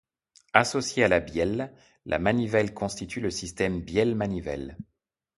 Associée à la bielle, la manivelle constitue le système bielle-manivelle.